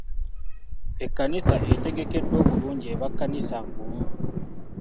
Ekkanisa etegekeddwa obulungi eba kkanisa ngumu.